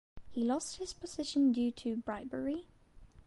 He lost his position due to bribery.